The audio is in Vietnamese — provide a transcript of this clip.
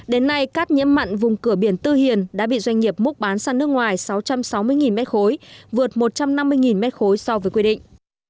đến nay cát nhiễm mặn vùng cửa biển tư hiền đã bị doanh nghiệp múc bán sang nước ngoài sáu trăm sáu mươi m ba vượt một trăm năm mươi m ba so với quy định